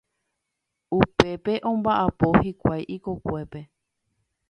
Upépe omba'apo hikuái ikokuépe.